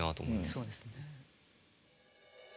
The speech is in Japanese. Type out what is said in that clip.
そうですね。